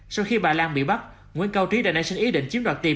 sau khi bà lan bị bắt nguyễn cao trí đã nảy sinh ý định chiếm đoạt tiền